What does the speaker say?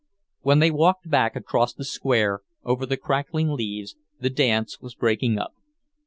When they walked back across the square, over the crackling leaves, the dance was breaking up.